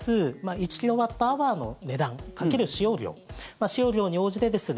１キロワットアワーの値段掛ける使用量に応じてですね